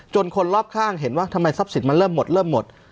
จนคนรอบข้างเห็นว่าทำไมทรัพย์สิทธิ์มันเริ่มหมด